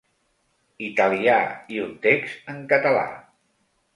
Italià i un text en català.